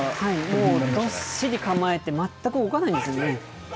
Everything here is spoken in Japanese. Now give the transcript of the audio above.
もうどっしり構えて、全く動かないんですよね。